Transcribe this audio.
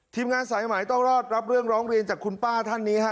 ทีมงานสายหมายต้องรอดรับเรื่องร้องเรียนจากคุณป้าท่านนี้ฮะ